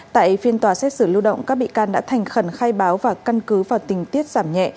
tại phiên tòa xét xử lưu động các bị can đã thành khẩn khai báo và căn cứ vào tình tiết giảm nhẹ